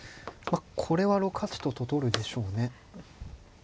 これは６八とと取るでしょうね。